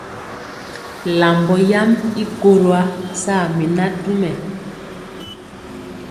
Lambɔ yam i koro ya saa mi natumɛ.